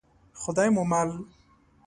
خدای مو مل.